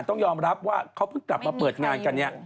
ต้องยอมรับว่าเขาเพิ่งกลับมาเปิดงานกันเนี่ย